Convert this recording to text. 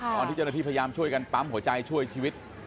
ตอนที่เจ้าหน้าที่พยายามช่วยกันปั๊มหัวใจช่วยชีวิต